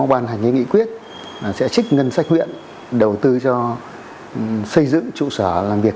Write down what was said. bàn hành ý nghị quyết sẽ trích ngân sách huyện đầu tư cho xây dựng trụ sở làm việc